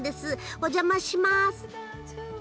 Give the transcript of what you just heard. お邪魔します。